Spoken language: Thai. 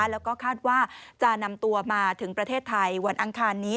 แล้วก็คาดว่าจะนำตัวมาถึงประเทศไทยวันอังคารนี้